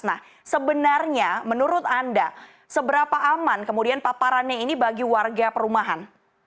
nah sebenarnya menurut anda seberapa aman kemudian paparannya ini bagi warga perumahan